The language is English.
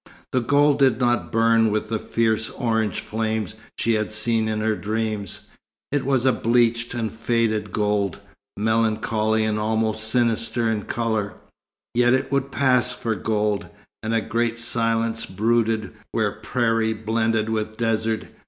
The gold did not burn with the fierce orange flames she had seen in her dreams it was a bleached and faded gold, melancholy and almost sinister in colour; yet it would pass for gold; and a great silence brooded where prairie blended with desert.